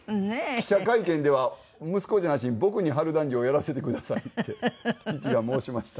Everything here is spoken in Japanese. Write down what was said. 記者会見では「息子じゃなしに僕に春団治をやらせてください」って父が申しました。